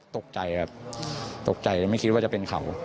ตกใจครับตกใจไม่คิดว่าจะเป็นเขา